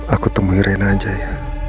aku temui rena aja ya